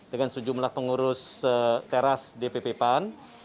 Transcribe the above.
dengan sejumlah pengurus teras dpp pan